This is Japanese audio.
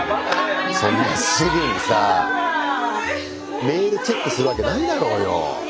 そんなすぐにさメールチェックするわけないだろうよ。